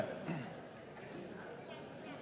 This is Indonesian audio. pak basuki berbicara